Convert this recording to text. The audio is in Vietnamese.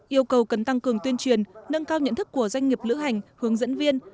yêu cầu cần tăng cường tuyên truyền nâng cao nhận thức của doanh nghiệp lữ hành hướng dẫn viên